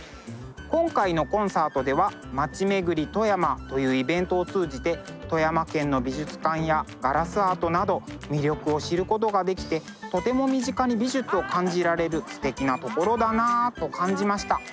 今回のコンサートでは「まちめぐりとやま」というイベントを通じて富山県の美術館やガラスアートなど魅力を知ることができてとても身近に美術を感じられるすてきな所だなと感じました。